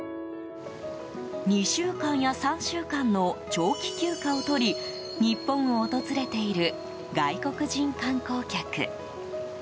２週間や３週間の長期休暇を取り日本を訪れている外国人観光客。